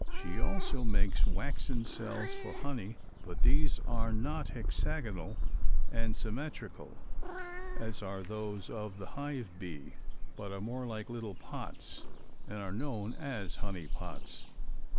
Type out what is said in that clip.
She also makes waxen cells for honey, but these are not hexagonal and symmetrical as are those of the hive bee, but are more like little pots, and are known as "honey pots".